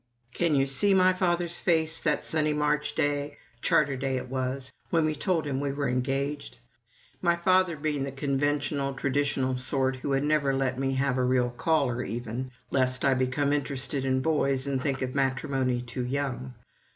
Can you see my father's face that sunny March day, Charter Day it was, when we told him we were engaged? (My father being the conventional, traditional sort who had never let me have a real "caller" even, lest I become interested in boys and think of matrimony too young!)